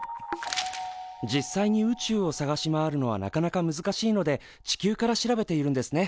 実際に宇宙を探し回るのはなかなか難しいので地球から調べているんですね。